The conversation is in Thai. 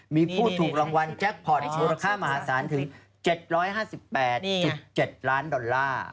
มีผู้ถูกรางวัลแจ็คพอร์ตมูลค่ามหาศาลถึง๗๕๘๗ล้านดอลลาร์